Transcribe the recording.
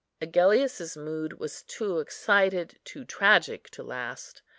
Agellius's mood was too excited, too tragic to last.